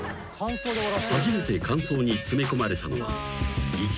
［初めて間奏に詰め込まれたのは］